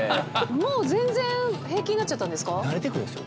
もう全然、平気になっちゃっ慣れてくるんですよ。